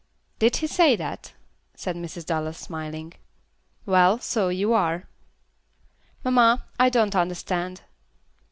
"Did he say that?" said Mrs. Dallas, smiling. "Well, so you are." "Mamma, I don't understand."